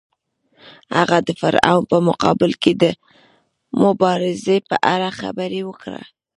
هغه د فرعون په مقابل کې د مبارزې په اړه خبرې وکړې.